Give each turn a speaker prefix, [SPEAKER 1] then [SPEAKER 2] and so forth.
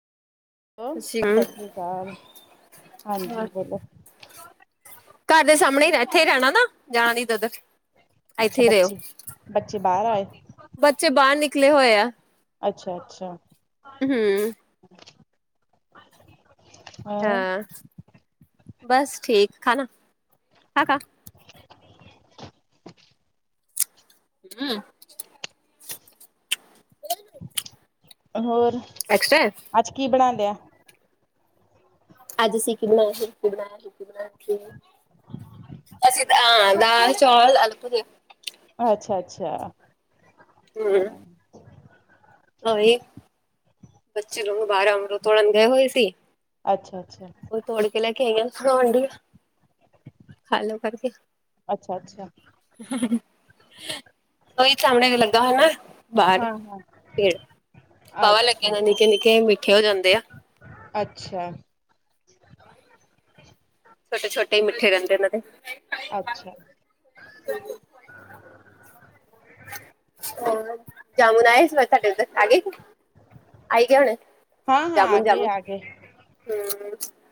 [SPEAKER 1] [unintelligible] ਸਾਸਰੀਕਾਲ ਹਾਂਜੀ ਬੋਲੋ।
[SPEAKER 2] ਤਾਡੇ ਸਾਮਣੇ ਈ ਏਥੇ ਈ ਰੈਣਾ ਨਾ। ਜਾਣ ਨੀ ਤਦਕ
[SPEAKER 1] ਅੱਛਾ
[SPEAKER 2] ਏਥੇ ਈ ਰੇਓ।
[SPEAKER 1] ਬੱਚੇ ਬੱਚੇ ਬਾਹਰ ਆਏ
[SPEAKER 2] ਬੱਚੇ ਬਾਰ ਨਿਕਲੇ ਹੋਏ ਆ।
[SPEAKER 1] ਅੱਛਾ ਅੱਛਾ।
[SPEAKER 2] ਹੁੰ।
[SPEAKER 1] [unintelligible] [inaudible]
[SPEAKER 2] ਹਾਂ, ਬਸ ਠੀਕ ਖਾਣਾ ਹਾਕਾ
[SPEAKER 1] [unintelligible] [inaudible]
[SPEAKER 2] ਹੂ [unintelligible]
[SPEAKER 1] ਹੋਰ?
[SPEAKER 2] ਐਕਸਟਰਾ
[SPEAKER 1] ਅੱਜ ਕੀ ਬਣਾ ਲਿਆ?
[SPEAKER 2] ਅੱਜ ਅਸੀਂ ਕੀ ਬਣਾਇਆ ਸੀ [unintelligible] [inaudible] ਅਸੀਂ ਤਾਂ ਹਾਂ ਦਾਲ, ਚੌਲ, ਆਲੂ, ਪੂੜੀ
[SPEAKER 1] ਅੱਛਾ ਅੱਛਾ ਹਾਂ
[SPEAKER 2] ਓਈ ਬੱਚੇ ਲੋਕ ਬਾਹਰ ਅਮਰੂਦ ਤੋੜਨ ਗਏ ਹੋਏ ਸੀ।
[SPEAKER 1] ਅੱਛਾ ਅੱਛਾ।
[SPEAKER 2] ਉਹ ਤੋੜ ਲੈ ਕੇ ਆਈਆਂ, ਖਾਣ ਡਹੀਆ, ਖਾ ਲੋੋ ਫੜ ਕੇ।
[SPEAKER 1] ਅੱਛਾ ਅੱਛਾ।
[SPEAKER 2] ਉਹੀ ਸਾਹਮਣੇ ਲੱਗਾ ਹੋਇਆ ਨਾ ਬਾਹਰ ਪੇੜ।
[SPEAKER 1] ਅੱਜ
[SPEAKER 2] ਕਿੰਨੇ ਨਿੱਕੇ ਨਿੱਕੇ ਹੀ ਮਿੱਠੇ ਹੋ ਜਾਂਦੇ
[SPEAKER 1] ਅੱਛਾ।
[SPEAKER 2] ਛੋਟੇ ਛੋਟੇ ਹੀ ਮਿੱਠੇ ਰਹਿੰਦੇ ਇਹਨਾਂ ਦੇ।
[SPEAKER 1] ਅੱਛਾ।
[SPEAKER 2] ਹੋਰ ਜਾਮੁਨ ਆਏ ਇਸ ਵਾਰ ਤੁਹਾਡੇ ਉੱਧਰ ਆ ਗਏ? ਆਈ ਗਏ ਹੋਣੇ,
[SPEAKER 1] ਹਾਂ ਹਾਂ ਆ
[SPEAKER 2] ਜਾਮੁਨ
[SPEAKER 1] ਗਏ
[SPEAKER 2] ਜਾਮੁਨ
[SPEAKER 1] ਆ ਗਏ
[SPEAKER 2] ਹੂ।